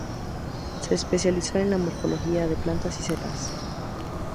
Se especializó en la morfología de plantas y de setas.